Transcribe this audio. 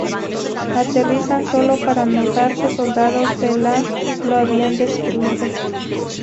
Aterrizan sólo para notar que soldados de la lo habían destruido.